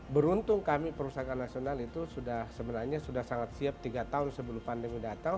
beruntung kami perusahaan nasional itu sebenarnya sudah sangat siap tiga tahun sebelum pandemi datang